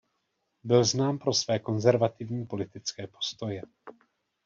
Byl znám pro své konzervativní politické postoje.